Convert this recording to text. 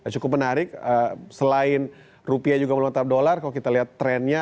jadi selain rupiah juga meluat dolar kalau kita lihat trennya